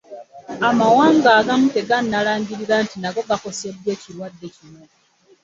amawanga agamu teganalangirira nti nago gakoseddwa ekirwadde kino.